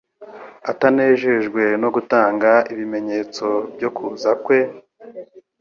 Atanejejwe no gutanga ibimenyetso byo kuza kwe,